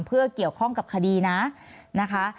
เพื่อเกี่ยวข้องกับคดีนะนะคะ